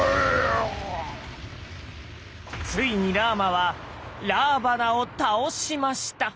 ついにラーマはラーバナを倒しました！